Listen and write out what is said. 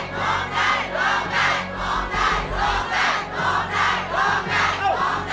คุณวิริยะร้อง